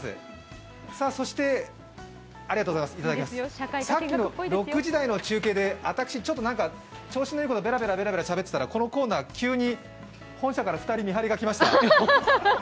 そしてさっきの６時台の中継で私、調子のいいこと、ベラベラしゃべってたらこのコーナー、急に本社から２人見張りが来ました。